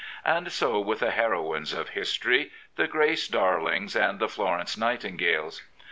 And so with the heroines of history, the Grace Darlings and the Florence Nightingales.